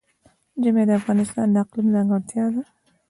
ژمی د افغانستان د اقلیم ځانګړتیا ده.